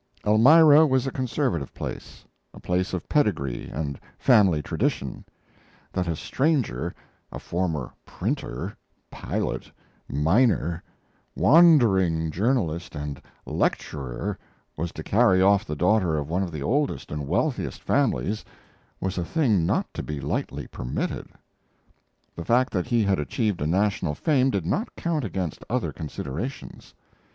Elmira was a conservative place a place of pedigree and family tradition; that a stranger, a former printer, pilot, miner, wandering journalist and lecturer, was to carry off the daughter of one of the oldest and wealthiest families, was a thing not to be lightly permitted. The fact that he had achieved a national fame did not count against other considerations.